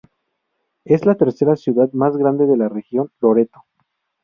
Es la tercera ciudad más grande de la región Loreto.